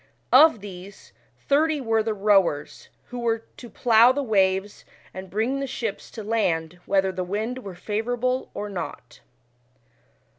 Of these, thirty were the rowers, who were to plough the waves and bring the ships to land whether the wind were favourable or not.